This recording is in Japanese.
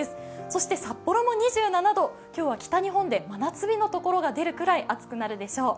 そして札幌も２７度、今日は北日本で真夏日のところが出るぐらい暑くなるでしょう。